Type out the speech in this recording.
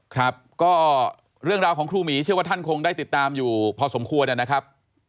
ครับก็เรื่องราวของครูหมีเชื่อว่าท่านคงได้ติดตามอยู่พอสมควรนะครับ